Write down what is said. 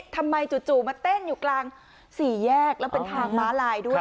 จู่มาเต้นอยู่กลางสี่แยกแล้วเป็นทางม้าลายด้วย